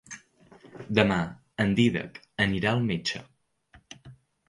Demà en Dídac anirà al metge.